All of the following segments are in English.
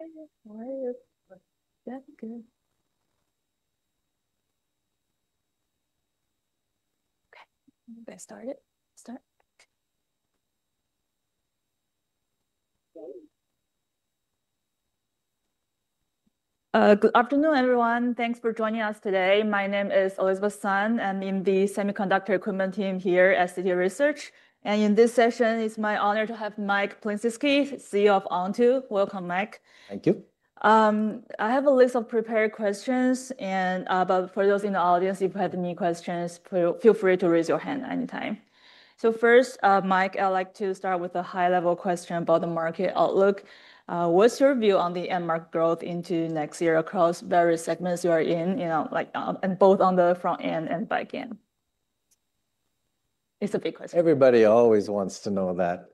Very good. Okay, I'm going to start. Good afternoon, everyone. Thanks for joining us today. My name is Elizabeth Sun, and I'm in the Semiconductor Equipment Team here at Citi Research. In this session, it's my honor to have Mike Flisinski, CEO of Onto. Welcome, Mike. Thank you. I have a list of prepared questions, and for those in the audience, if you have any questions, feel free to raise your hand anytime. First, Mike, I'd like to start with a high-level question about the market outlook. What's your view on the end-market growth into next year across various segments you are in, you know, like both on the front end and back end? It's a big question. Everybody always wants to know that.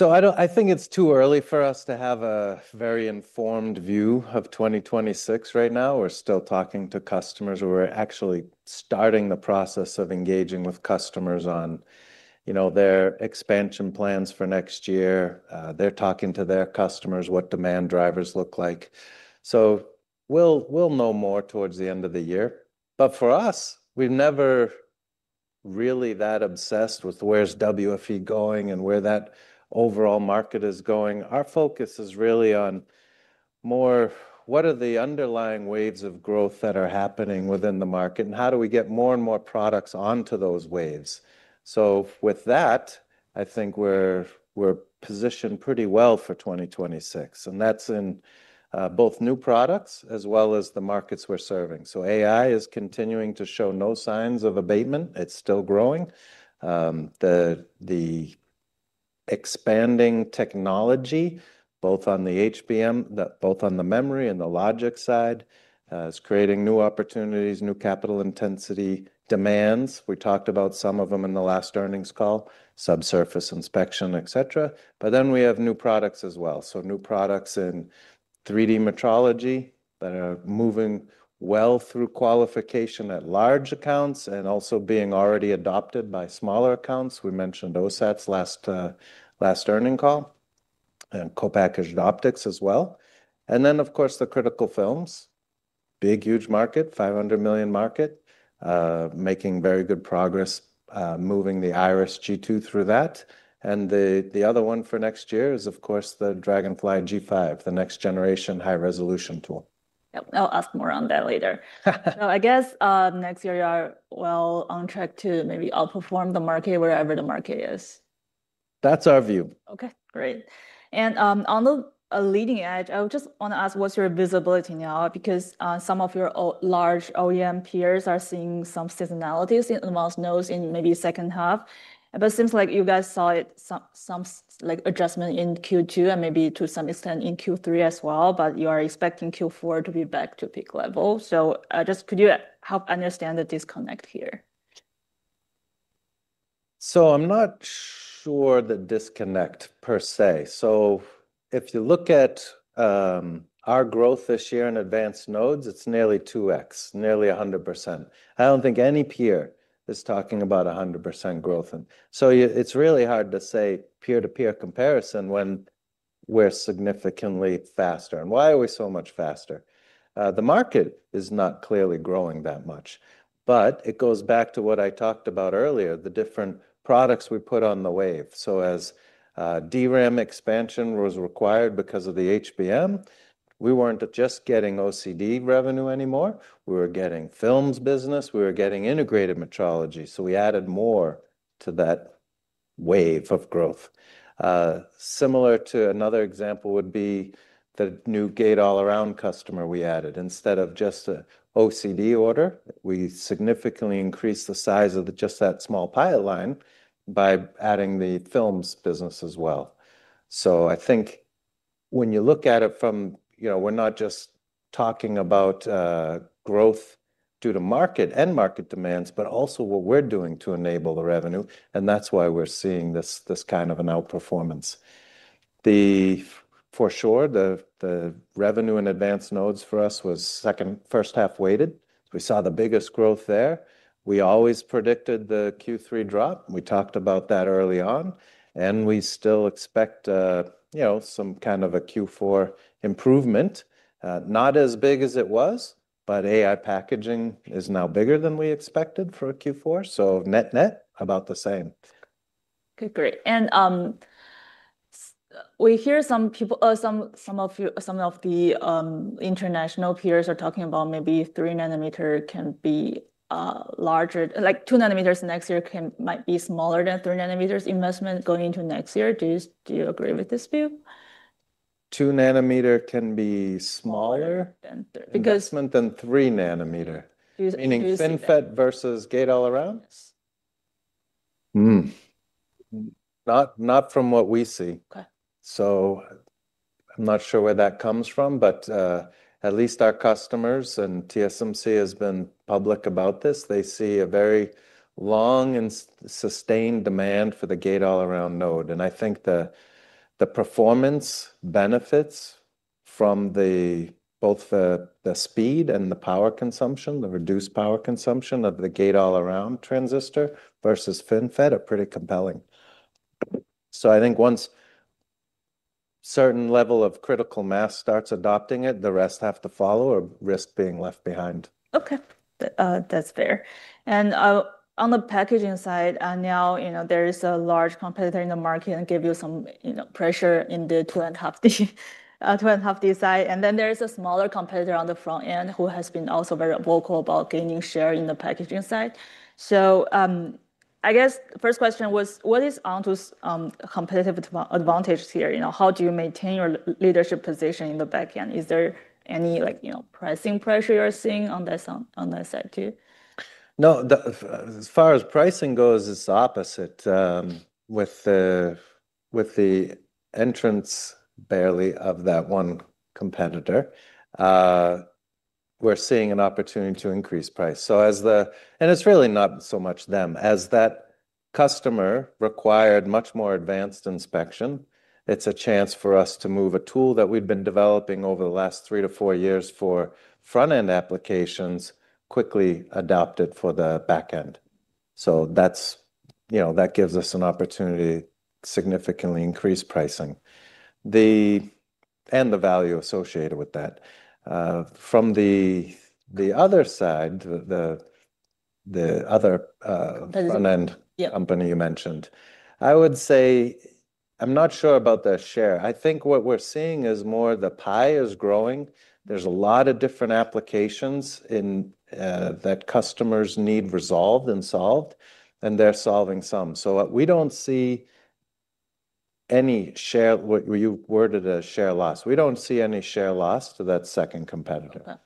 I think it's too early for us to have a very informed view of 2026 right now. We're still talking to customers. We're actually starting the process of engaging with customers on their expansion plans for next year. They're talking to their customers, what demand drivers look like. We'll know more towards the end of the year. For us, we've never really been that obsessed with where's WFE going and where that overall market is going. Our focus is really on more, what are the underlying waves of growth that are happening within the market and how do we get more and more products onto those waves. I think we're positioned pretty well for 2026. That's in both new products as well as the markets we're serving. AI is continuing to show no signs of abatement. It's still growing. The expanding technology, both on the HBM, both on the memory and the logic side, is creating new opportunities, new capital intensity demands. We talked about some of them in the last earnings call, subsurface inspection, et cetera. We have new products as well. New products in 3D metrology are moving well through qualification at large accounts and also being already adopted by smaller accounts. We mentioned OSATS last earnings call and co-packaged optics as well. Of course, the critical films, big, huge market, $500 million market, making very good progress, moving the Iris G2 through that. The other one for next year is, of course, the Dragonfly G5, the next generation high-resolution tool. I'll ask more on that later. I guess next year you are well on track to maybe outperform the market wherever the market is. That's our view. Okay, great. On the leading edge, I just want to ask, what's your visibility now? Some of your large OEM peers are seeing some seasonalities in the most nodes in maybe the second half. It seems like you guys saw some adjustment in Q2 and maybe to some extent in Q3 as well, but you are expecting Q4 to be back to peak- level. Could you help understand the disconnect here? I'm not sure the disconnect per se. If you look at our growth this year in advanced nodes, it's nearly 2x, nearly 100%. I don't think any peer is talking about 100% growth. It's really hard to say peer-to-peer comparison when we're significantly faster. Why are we so much faster? The market is not clearly growing that much. It goes back to what I talked about earlier, the different products we put on the wave. As DRAM expansion was required because of the HBM, we weren't just getting OCD revenue anymore. We were getting films business. We were getting integrated metrology. We added more to that wave of growth. Similar to another example would be the new gate all-around customer we added. Instead of just the OCD order, we significantly increased the size of just that small pipeline by adding the films business as well. I think when you look at it from, you know, we're not just talking about growth due to market and market demands, but also what we're doing to enable the revenue. That's why we're seeing this kind of an outperformance. For sure, the revenue in advanced nodes for us was second, first- half weighted. We saw the biggest growth there. We always predicted the Q3 drop. We talked about that early on. We still expect, you know, some kind of a Q4 improvement. Not as big as it was, but AI packaging is now bigger than we expected for Q4. Net-net, about the same. Okay, great. We hear some people, some of the international peers, are talking about maybe 3 nm can be larger, like 2 nm next year might be smaller than 3 nm investment going into next year. Do you agree with this view? 2 nm can be smaller than 3 nm, meaning FinFET versus gate all-around? Not from what we see. I'm not sure where that comes from, but at least our customers and TSMC has been public about this. They see a very long and sustained demand for the gate all-around node. I think the performance benefits from both the speed and the power consumption, the reduced power consumption of the gate all-around transistor versus FinFET are pretty compelling. I think once a certain level of critical mass starts adopting it, the rest have to follow or risk being left behind. Okay, that's fair. On the packaging side, now, there is a large competitor in the market and gives you some pressure in the 2.5D side. There is a smaller competitor on the front-end who has been also very vocal about gaining share in the packaging side. I guess the first question was, what is Onto Innovation Inc.'s competitive advantage here? How do you maintain your leadership position in the back end? Is there any, like, pricing pressure you're seeing on that side too? No, as far as pricing goes, it's the opposite. With the entrance barely of that one competitor, we're seeing an opportunity to increase price. As the, and it's really not so much them, as that customer required much more advanced inspection, it's a chance for us to move a tool that we've been developing over the last three to four years for front-end applications quickly adopted for the back end. That gives us an opportunity to significantly increase pricing and the value associated with that. From the other side, the other front-end company you mentioned, I would say I'm not sure about the share. I think what we're seeing is more the pie is growing. There's a lot of different applications that customers need resolved and solved, and they're solving some. We don't see any share, where you worded a share loss, we don't see any share loss to that second competitor.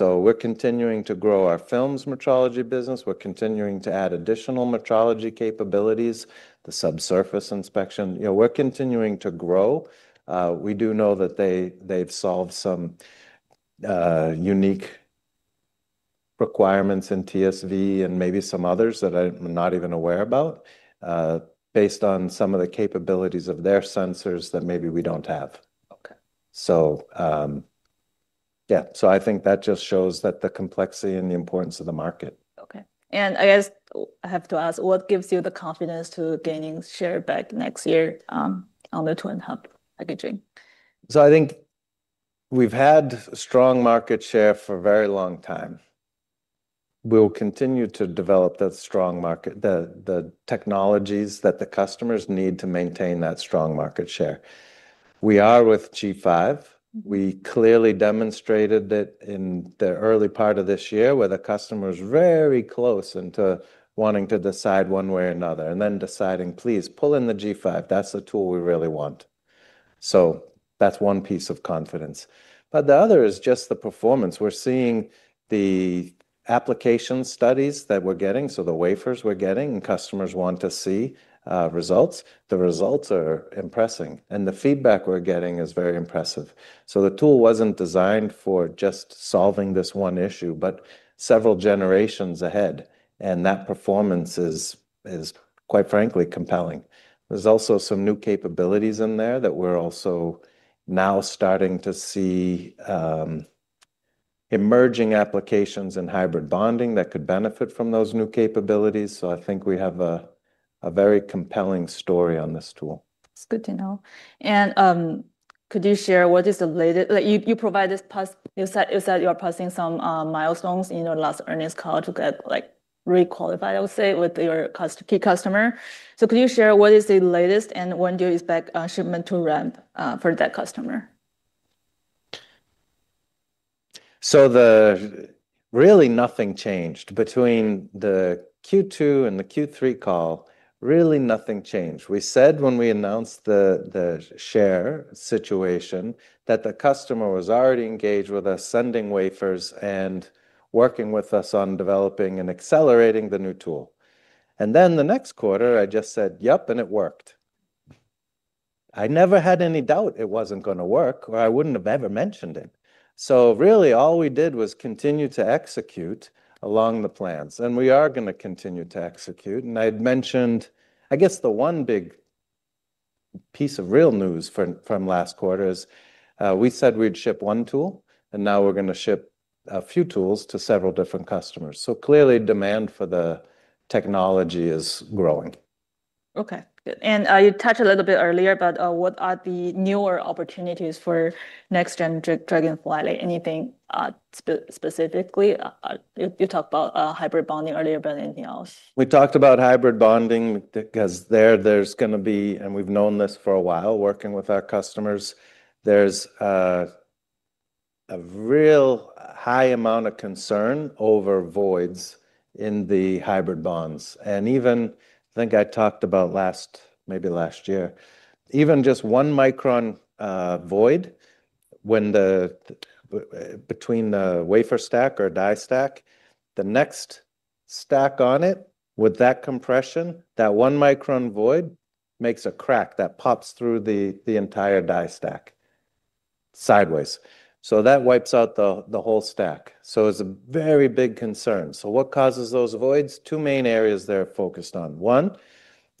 We're continuing to grow our films metrology business. We're continuing to add additional metrology capabilities, the subsurface inspection. We're continuing to grow. We do know that they've solved some unique requirements in TSV and maybe some others that I'm not even aware about based on some of the capabilities of their sensors that maybe we don't have. I think that just shows the complexity and the importance of the market. Okay. I guess I have to ask, what gives you the confidence to gain share back next year on the 2.5D packaging? I think we've had strong market share for a very long time. We will continue to develop the strong market, the technologies that the customers need to maintain that strong market share. We are with Dragonfly G5. We clearly demonstrated it in the early part of this year where the customer is very close to wanting to decide one way or another and then deciding, please pull in the Dragonfly G5. That's the tool we really want. That's one piece of confidence. The other is just the performance. We're seeing the application studies that we're getting, so the wafers we're getting, and customers want to see results. The results are impressing, and the feedback we're getting is very impressive. The tool wasn't designed for just solving this one issue, but several generations ahead, and that performance is quite frankly compelling. There are also some new capabilities in there that we're also now starting to see emerging applications in hybrid bonding that could benefit from those new capabilities. I think we have a very compelling story on this tool. It's good to know. Could you share what is the latest? You provided us, you said you are passing some milestones in the last earnings call to get requalified, I would say, with your key customer. Could you share what is the latest and when do you expect shipment to ramp for that customer? Really nothing changed between the Q2 and the Q3 call. Really nothing changed. We said when we announced the share situation that the customer was already engaged with us, sending wafers and working with us on developing and accelerating the new tool. The next quarter, I just said, yep, and it worked. I never had any doubt it wasn't going to work, or I wouldn't have ever mentioned it. Really all we did was continue to execute along the plans, and we are going to continue to execute. I'd mentioned, I guess the one big piece of real news from last quarter is we said we'd ship one tool, and now we're going to ship a few tools to several different customers. Clearly demand for the technology is growing. Okay. You touched a little bit earlier, but what are the newer opportunities for next-gen Dragonfly? Like anything specifically? You talked about hybrid bonding earlier, but anything else? We talked about hybrid bonding because there's going to be, and we've known this for a while working with our customers, there's a real high amount of concern over voids in the hybrid bonds. I think I talked about last, maybe last year, even just one micron void between the wafer stack or die stack, the next stack on it, with that compression, that one micron void makes a crack that pops through the entire die stack sideways. That wipes out the whole stack. It's a very big concern. What causes those voids? Two main areas they're focused on. One,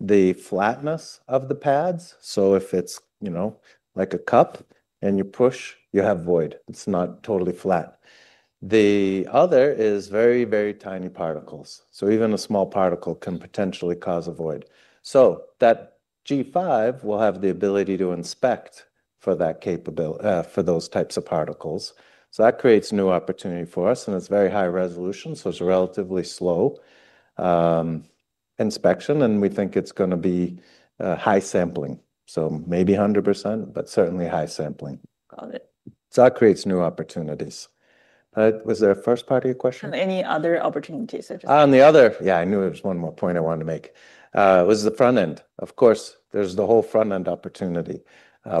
the flatness of the pads. If it's, you know, like a cup and you push, you have void. It's not totally flat. The other is very, very tiny particles. Even a small particle can potentially cause a void. That Dragonfly G5 will have the ability to inspect for those types of particles. That creates new opportunity for us, and it's very high resolution. It's relatively slow inspection, and we think it's going to be high sampling. Maybe 100%, but certainly high sampling. Got it. That creates new opportunities. Was there a first part of your question? Any other opportunities? On the other, yeah, I knew there was one more point I wanted to make. It was the front end. Of course, there's the whole front end opportunity,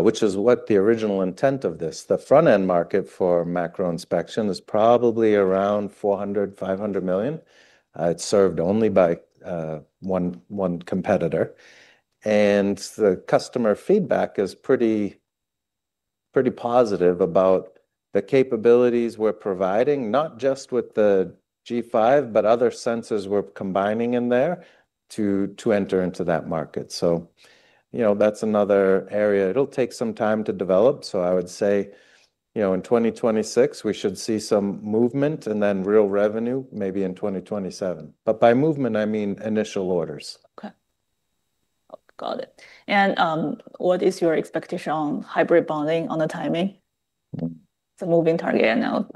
which is what the original intent of this. The front end market for macro inspection is probably around $400 million, $500 million. It's served only by one competitor. The customer feedback is pretty positive about the capabilities we're providing, not just with the G5, but other sensors we're combining in there to enter into that market. That's another area. It'll take some time to develop. I would say, in 2026, we should see some movement and then real revenue maybe in 2027. By movement, I mean initial orders. Okay. Got it. What is your expectation on hybrid bonding on the timing? It's a moving target now.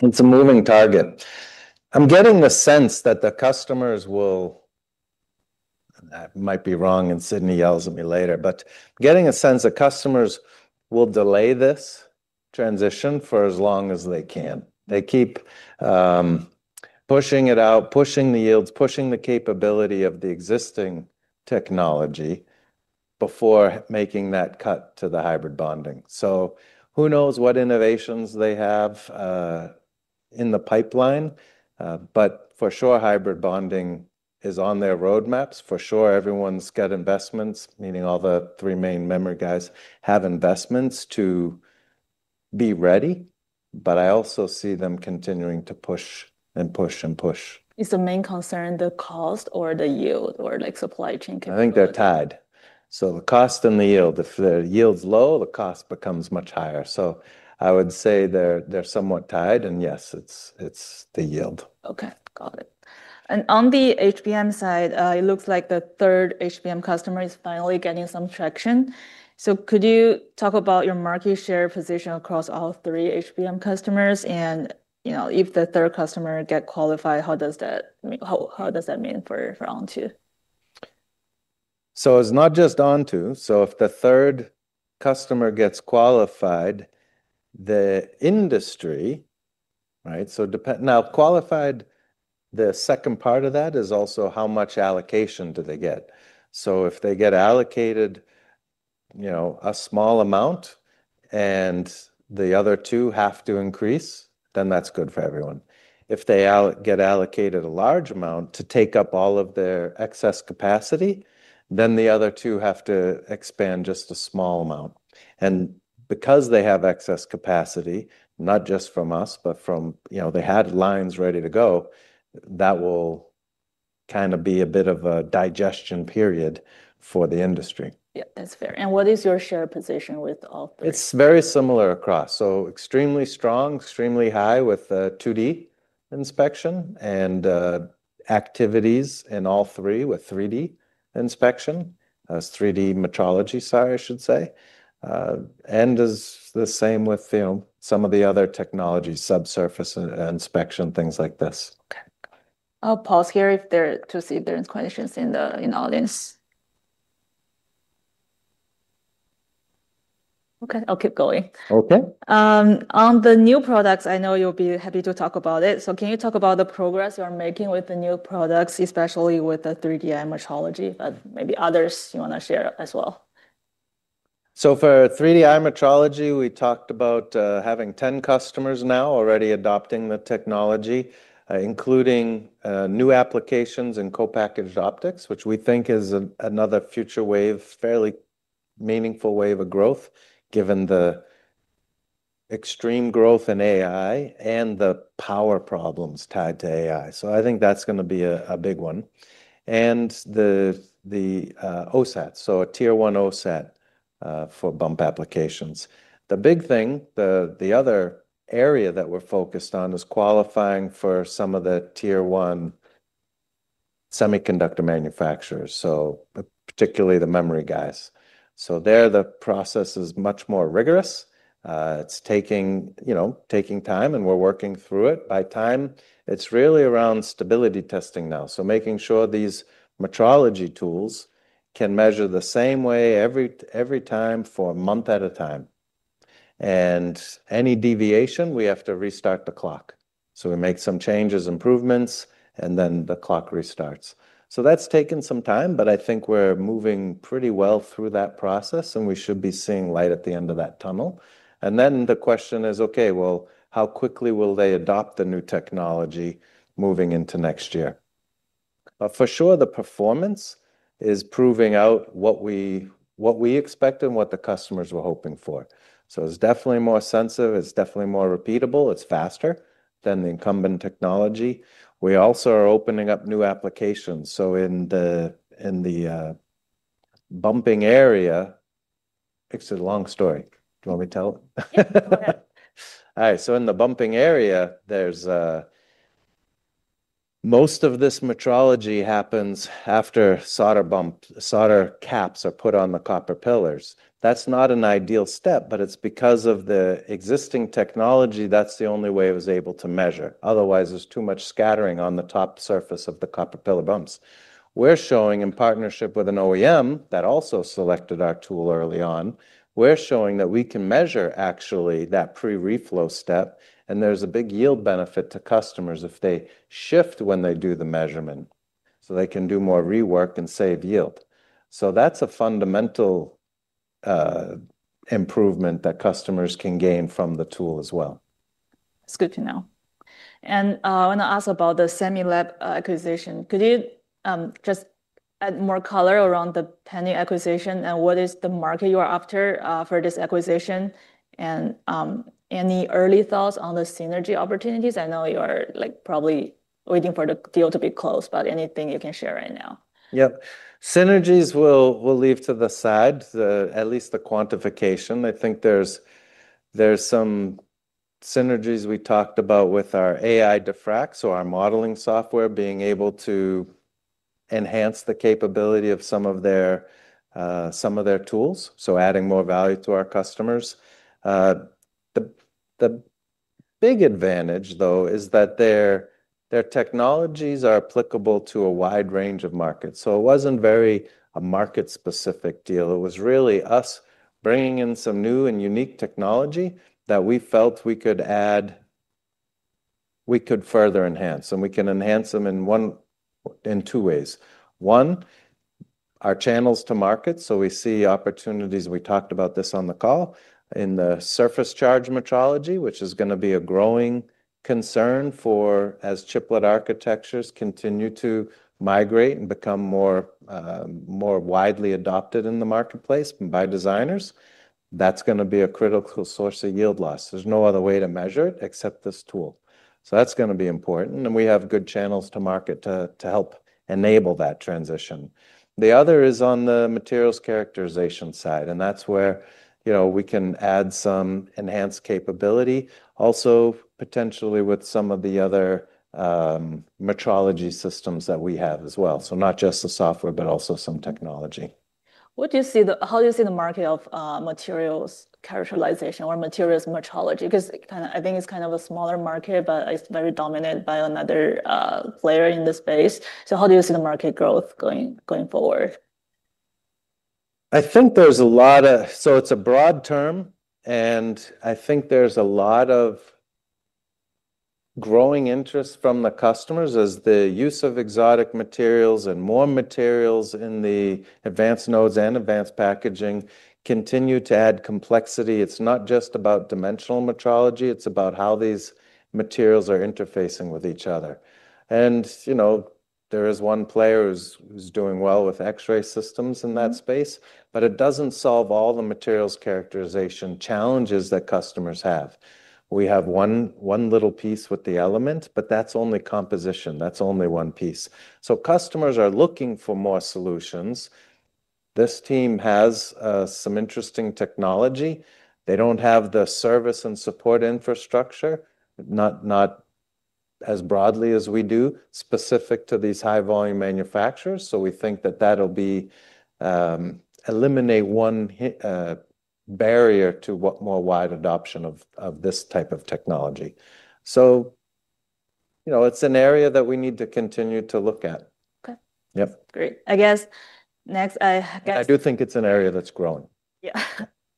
It's a moving target. I'm getting the sense that the customers will, and I might be wrong, and Sidney yells at me later, but getting a sense that customers will delay this transition for as long as they can. They keep pushing it out, pushing the yields, pushing the capability of the existing technology before making that cut to the hybrid bonding. Who knows what innovations they have in the pipeline, but for sure, hybrid bonding is on their roadmaps. For sure, everyone's got investments, meaning all the three main memory guys have investments to be ready. I also see them continuing to push and push and push. Is the main concern the cost, or the yield, or like supply chain? I think they're tied. The cost and the yield. If the yield's low, the cost becomes much higher. I would say they're somewhat tied, and yes, it's the yield. Okay, got it. On the HBM side, it looks like the third HBM customer is finally getting some traction. Could you talk about your market share position across all three HBM customers? If the third customer gets qualified, how does that mean for Onto? It's not just Onto. If the third customer gets qualified, the industry, right? Now, qualified, the second part of that is also how much allocation do they get? If they get allocated, you know, a small amount and the other two have to increase, then that's good for everyone. If they get allocated a large amount to take up all of their excess capacity, then the other two have to expand just a small amount. Because they have excess capacity, not just from us, but from, you know, they had lines ready to go, that will kind of be a bit of a digestion period for the industry. Yeah, that's fair. What is your share position with all three? It's very similar across. Extremely strong, extremely high with 2D inspection and activities in all three with 3D inspection, 3D metrology, sorry, I should say. It's the same with some of the other technologies, subsurface inspection, things like this. Okay, I'll pause here to see if there are questions in the audience. Okay, I'll keep going. Okay. On the new products, I know you'll be happy to talk about it. Can you talk about the progress you're making with the new products, especially with the 3D metrology, but maybe others you want to share as well? For 3D metrology, we talked about having 10 customers now already adopting the technology, including new applications and co-packaged optics, which we think is another future wave, a fairly meaningful wave of growth, given the extreme growth in AI and the power problems tied to AI. I think that's going to be a big one. The OSATs, so a Tier 1 OSAT for bump applications. The big thing, the other area that we're focused on is qualifying for some of the tier one semiconductor manufacturers, particularly the memory guys. There, the process is much more rigorous. It's taking time, and we're working through it. By time, it's really around stability testing now, making sure these metrology tools can measure the same way every time for a month at a time. Any deviation, we have to restart the clock. We make some changes, improvements, and then the clock restarts. That's taken some time, but I think we're moving pretty well through that process, and we should be seeing light at the end of that tunnel. The question is, okay, how quickly will they adopt the new technology moving into next year? For sure, the performance is proving out what we expect and what the customers were hoping for. It's definitely more sensitive. It's definitely more repeatable. It's faster than the incumbent technology. We also are opening up new applications. In the bumping area, it's a long story. Do you want me to tell it? All right. In the bumping area, most of this metrology happens after solder bumps, solder caps are put on the copper pillars. That's not an ideal step, but it's because of the existing technology. That's the only way it was able to measure. Otherwise, there's too much scattering on the top surface of the copper pillar bumps. We're showing in partnership with an OEM that also selected our tool early on, we're showing that we can measure actually that pre-reflow step, and there's a big yield benefit to customers if they shift when they do the measurement. They can do more rework and save yield. That's a fundamental improvement that customers can gain from the tool as well. It's good to know. I want to ask about the Semilab acquisition. Could you just add more color around the Penny acquisition and what is the market you're after for this acquisition? Any early thoughts on the synergy opportunities? I know you are probably waiting for the deal to be closed, but anything you can share right now? Yep. Synergies we'll leave to the side, at least the quantification. I think there's some synergies we talked about with our AI diffracts, so our modeling software being able to enhance the capability of some of their tools, adding more value to our customers. The big advantage, though, is that their technologies are applicable to a wide range of markets. It wasn't a very market-specific deal. It was really us bringing in some new and unique technology that we felt we could add, we could further enhance. We can enhance them in two ways. One, our channels to market. We see opportunities. We talked about this on the call in the surface charge metrology, which is going to be a growing concern as chiplet architectures continue to migrate and become more widely adopted in the marketplace by designers. That's going to be a critical source of yield loss. There's no other way to measure it except this tool. That's going to be important. We have good channels to market to help enable that transition. The other is on the materials characterization side. That's where we can add some enhanced capability, also potentially with some of the other metrology systems that we have as well. Not just the software, but also some technology. What do you see? How do you see the market of materials characterization or materials metrology? I think it's kind of a smaller market, but it's very dominated by another player in this space. How do you see the market growth going forward? I think it's a broad term, and I think there's a lot of growing interest from the customers as the use of exotic materials and more materials in the advanced nodes and advanced packaging continue to add complexity. It's not just about dimensional metrology. It's about how these materials are interfacing with each other. There is one player who's doing well with X-ray systems in that space, but it doesn't solve all the materials characterization challenges that customers have. We have one little piece with the element, but that's only composition. That's only one piece. Customers are looking for more solutions. This team has some interesting technology. They don't have the service and support infrastructure, not as broadly as we do, specific to these high-volume manufacturers. We think that that'll eliminate one barrier to more wide adoption of this type of technology. It's an area that we need to continue to look at. Okay. Great. I guess next. I do think it's an area that's growing. Yeah,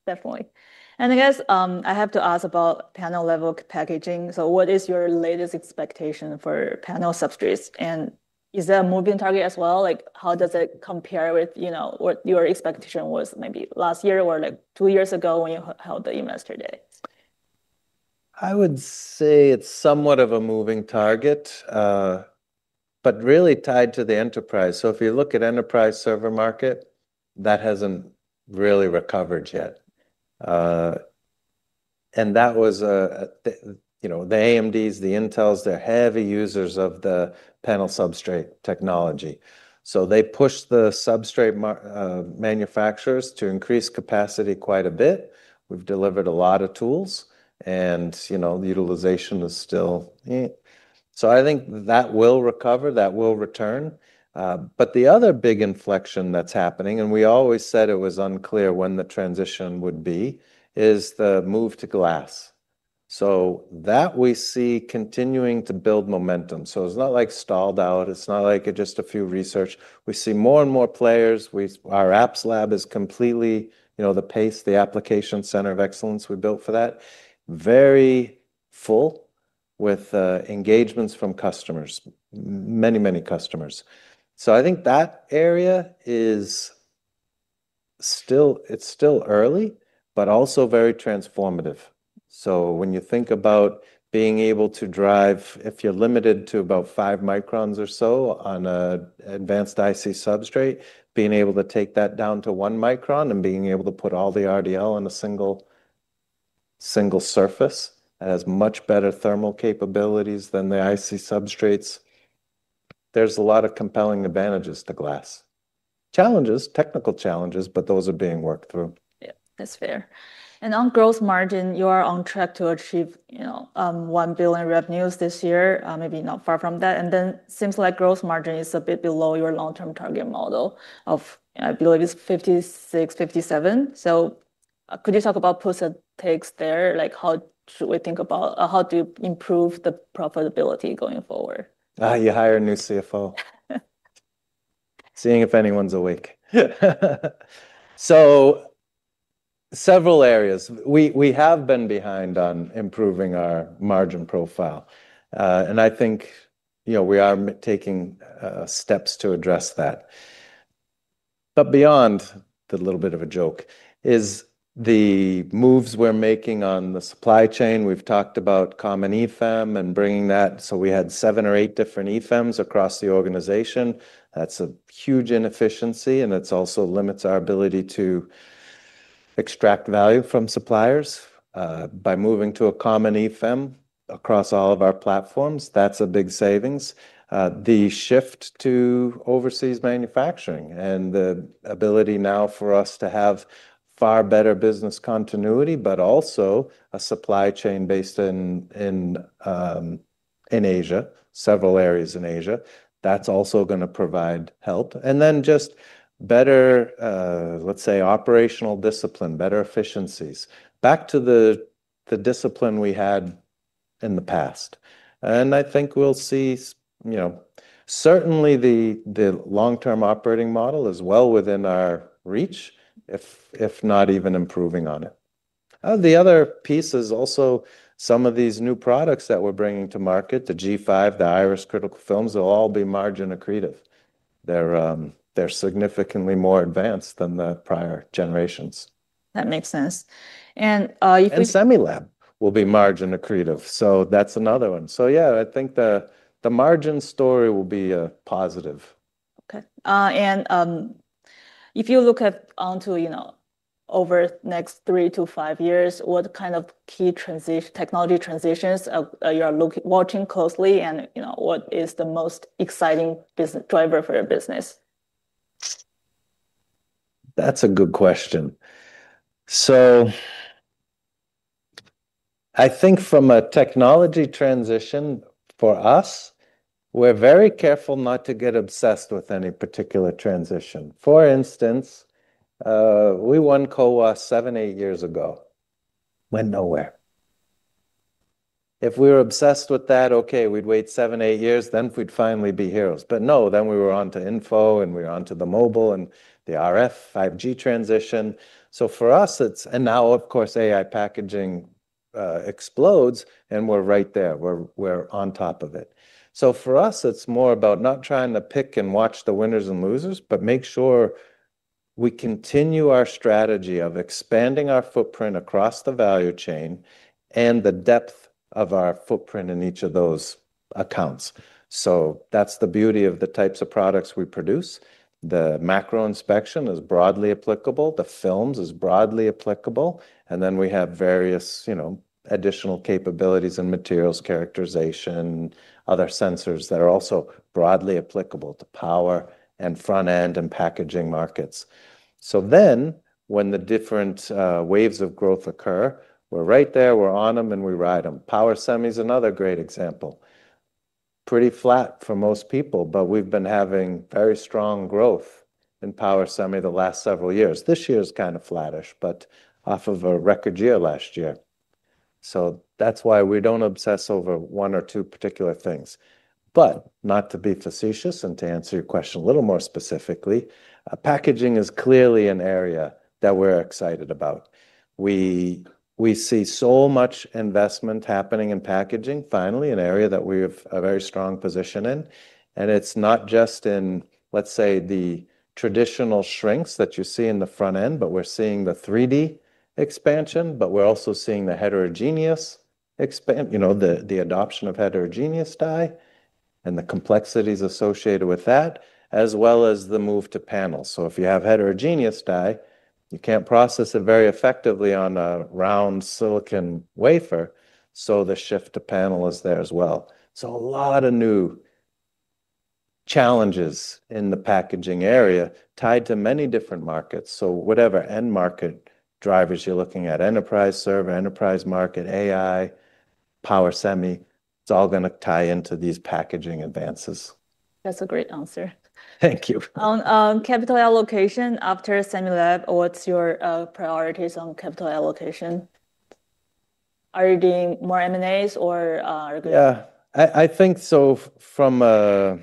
definitely. I guess I have to ask about panel-level packaging. What is your latest expectation for panel subsidies? Is that a moving target as well? How does it compare with what your expectation was maybe last year or two years ago when you held the investor day? I would say it's somewhat of a moving target, but really tied to the enterprise. If you look at the enterprise server market, that hasn't really recovered yet. That was, you know, the AMDs, the Intels, they're heavy users of the panel substrate technology. They pushed the substrate manufacturers to increase capacity quite a bit. We've delivered a lot of tools, and, you know, the utilization is still. I think that will recover, that will return. The other big inflection that's happening, and we always said it was unclear when the transition would be, is the move to glass. We see that continuing to build momentum. It's not like stalled out. It's not like just a few research. We see more and more players. Our apps lab is completely, you know, the pace, the application center of excellence we built for that, very full with engagements from customers, many, many customers. I think that area is still, it's still early, but also very transformative. When you think about being able to drive, if you're limited to about five microns or so on an advanced IC substrate, being able to take that down to one micron and being able to put all the RDL on a single surface that has much better thermal capabilities than the IC substrates, there's a lot of compelling advantages to glass. Challenges, technical challenges, but those are being worked through. Yeah, that's fair. On gross margin, you are on track to achieve, you know, $1 billion revenues this year, maybe not far from that. It seems like gross margin is a bit below your long-term target model of, I believe it's 56%, 57%. Could you talk about post-take there? How should we think about how to improve the profitability going forward? You hire a new CFO. Seeing if anyone's awake. Several areas, we have been behind on improving our margin profile. I think, you know, we are taking steps to address that. Beyond the little bit of a joke is the moves we're making on the supply chain. We've talked about common EFEM and bringing that. We had seven or eight different EFEMs across the organization. That's a huge inefficiency, and it also limits our ability to extract value from suppliers. By moving to a common EFEM across all of our platforms, that's a big savings. The shift to overseas manufacturing and the ability now for us to have far better business continuity, but also a supply chain based in Asia, several areas in Asia, that's also going to provide help. Just better, let's say, operational discipline, better efficiencies. Back to the discipline we had in the past. I think we'll see, you know, certainly the long-term operating model is well within our reach, if not even improving on it. The other piece is also some of these new products that we're bringing to market, the G5, the Iris critical films, they'll all be margin accretive. They're significantly more advanced than the prior generations. That makes sense. Semilab will be margin accretive. I think the margin story will be a positive. Okay. If you look at Onto Innon over the next three to five years, what kind of key technology transitions are you watching closely, and what is the most exciting business driver for your business? That's a good question. I think from a technology transition for us, we're very careful not to get obsessed with any particular transition. For instance, we won COA seven, eight years ago, went nowhere. If we were obsessed with that, we'd wait seven, eight years, then we'd finally be heroes. No, then we were onto info and we were onto the mobile and the RF 5G transition. For us, it's, and now, of course, AI packaging explodes and we're right there. We're on top of it. For us, it's more about not trying to pick and watch the winners and losers, but make sure we continue our strategy of expanding our footprint across the value chain and the depth of our footprint in each of those accounts. That's the beauty of the types of products we produce. The macro inspection is broadly applicable. The films are broadly applicable. We have various additional capabilities and materials characterization, other sensors that are also broadly applicable to power and front-end and packaging markets. When the different waves of growth occur, we're right there, we're on them and we ride them. Power semi is another great example. Pretty flat for most people, but we've been having very strong growth in power semi the last several years. This year is kind of flattish, but off of a record year last year. That's why we don't obsess over one or two particular things. Not to be facetious and to answer your question a little more specifically, packaging is clearly an area that we're excited about. We see so much investment happening in packaging, finally an area that we have a very strong position in. It's not just in, let's say, the traditional shrinks that you see in the front end, but we're seeing the 3D expansion, but we're also seeing the heterogeneous, the adoption of heterogeneous die and the complexities associated with that, as well as the move to panel. If you have heterogeneous die, you can't process it very effectively on a round silicon wafer. The shift to panel is there as well. A lot of new challenges in the packaging area are tied to many different markets. Whatever end market drivers you're looking at, enterprise server, enterprise market, AI, power semi, it's all going to tie into these packaging advances. That's a great answer. Thank you. On capital allocation after Semilab, what's your priorities on capital allocation? Are you getting more M&As or are you good? Yeah, I think so. From a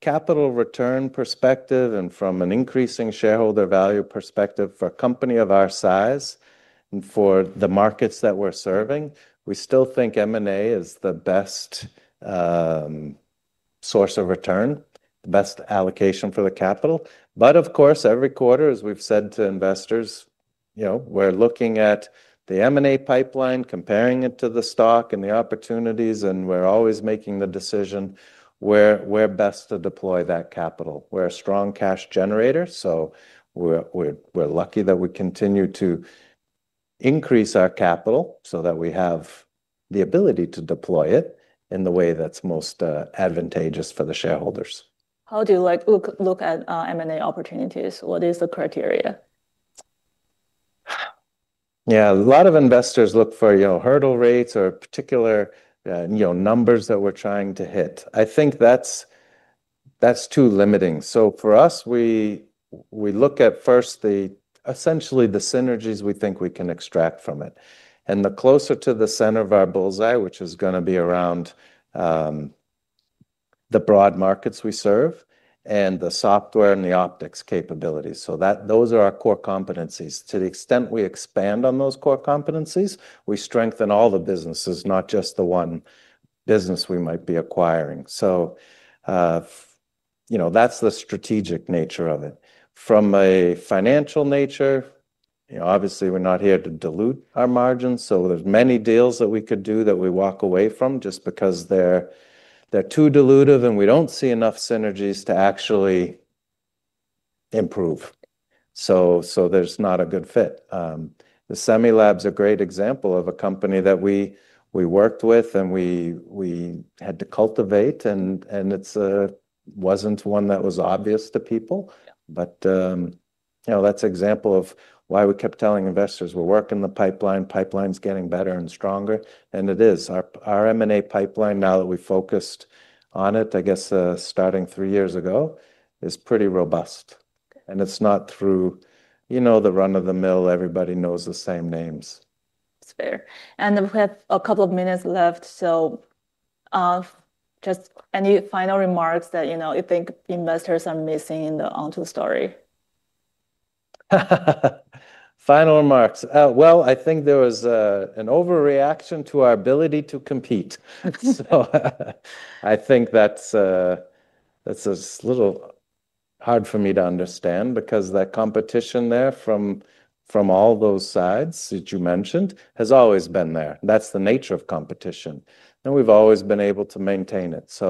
capital return perspective and from an increasing shareholder value perspective for a company of our size and for the markets that we're serving, we still think M&A is the best source of return, the best allocation for the capital. Of course, every quarter, as we've said to investors, we're looking at the M&A pipeline, comparing it to the stock and the opportunities, and we're always making the decision where we're best to deploy that capital. We're a strong cash generator, so we're lucky that we continue to increase our capital so that we have the ability to deploy it in the way that's most advantageous for the shareholders. How do you look at M&A opportunities? What is the criteria? Yeah, a lot of investors look for, you know, hurdle rates or particular, you know, numbers that we're trying to hit. I think that's too limiting. For us, we look at first the essentially the synergies we think we can extract from it. The closer to the center of our bull's eye, which is going to be around the broad markets we serve and the software and the optics capabilities. Those are our core competencies. To the extent we expand on those core competencies, we strengthen all the businesses, not just the one business we might be acquiring. That's the strategic nature of it. From a financial nature, obviously we're not here to dilute our margins. There are many deals that we could do that we walk away from just because they're too dilutive and we don't see enough synergies to actually improve. There's not a good fit. Semilab is a great example of a company that we worked with and we had to cultivate, and it wasn't one that was obvious to people. That's an example of why we kept telling investors we're working the pipeline, pipeline's getting better and stronger. It is. Our M&A pipeline, now that we focused on it, I guess starting three years ago, is pretty robust. It's not through the run of the mill, everybody knows the same names. That's fair. We have a couple of minutes left. Just any final remarks that you think investors are missing in the Onto story? I think there was an overreaction to our ability to compete. I think that's a little hard for me to understand because that competition there from all those sides that you mentioned has always been there. That's the nature of competition, and we've always been able to maintain it.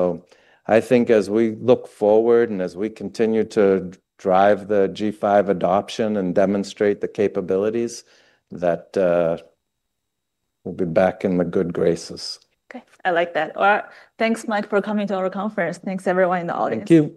I think as we look forward and as we continue to drive the G5 adoption and demonstrate the capabilities, that we'll be back in the good graces. Okay, I like that. Thanks, Mike, for coming to our conference. Thanks, everyone in the audience. Thank you.